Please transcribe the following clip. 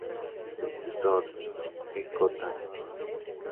El escritor G. K. Chesterton basó su personaje el Padre Brown en este sacerdote.